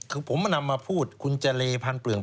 คือผมมานำมาพูดคุณเจรพันเปลือง